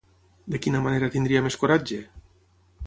De quina manera tindria més coratge?